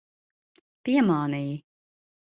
Piemānīji.